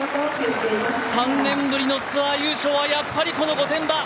３年ぶりのツアー優勝はやっぱりこの御殿場！